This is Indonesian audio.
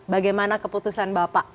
bagaimana keputusan bapak